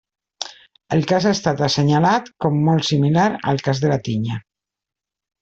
El cas ha estat assenyalat com molt similar al Cas de la tinya.